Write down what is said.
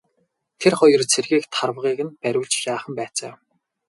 Тэр хоёр цэргийг тарвагыг нь бариулж жаахан байцаав.